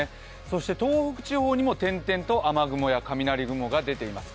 そして東北地方にも点々と雨雲や雷雲が出ています。